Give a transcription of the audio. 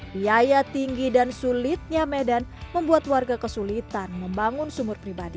biaya tinggi dan sulitnya medan membuat warga kesulitan membangun sumur pribadi